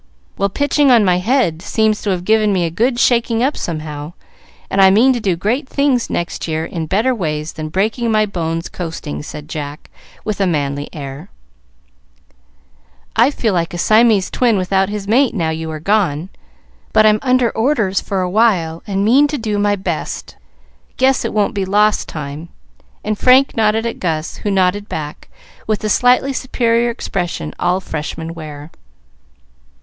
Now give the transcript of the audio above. "Well, pitching on my head seems to have given me a good shaking up, somehow, and I mean to do great things next year in better ways than breaking my bones coasting," said Jack, with a manly air. "I feel like a Siamese twin without his mate now you are gone, but I'm under orders for a while, and mean to do my best. Guess it won't be lost time;" and Frank nodded at Gus, who nodded back with the slightly superior expression all Freshmen wear.